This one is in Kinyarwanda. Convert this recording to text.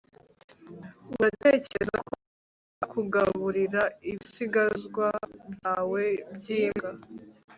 uratekereza ko ari byiza kugaburira ibisigazwa byawe byimbwa